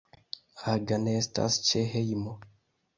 Aga ne estas ĉe hejmo.